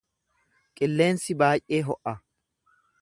Qilleensi baay’ee ho’a.